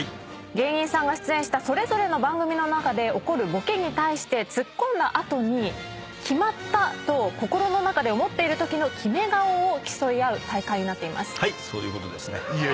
芸人さんが出演したそれぞれの番組の中で起こるボケに対してツッコんだ後に決まった！と心の中で思っているときのキメ顔を競い合う大会になっています。